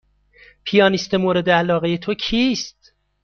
پیانیست مورد علاقه تو کیست؟